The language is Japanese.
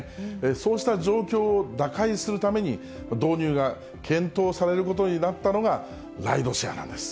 そうした状況を打開するために、導入が検討されることになったのが、ライドシェアなんです。